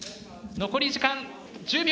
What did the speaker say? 残り時間１０秒。